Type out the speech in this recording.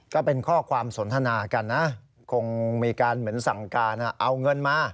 ก็เป็นข้อความสนทนากันนะคงมีการเหมือนสั่งการเอาเงินมา